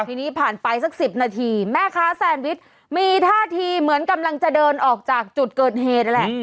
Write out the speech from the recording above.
ทีนี้ผ่านไปสัก๑๐นาทีแม่ค้าแซนวิชมีท่าทีเหมือนกำลังจะเดินออกจากจุดเกิดเหตุนั่นแหละ